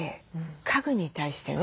家具に対してね